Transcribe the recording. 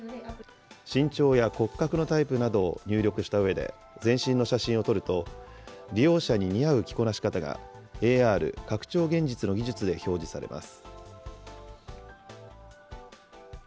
身長や骨格のタイプなどを入力したうえで、全身の写真を撮ると、利用者に似合う着こなし方が、ＡＲ・拡張現実の技術で表示されます。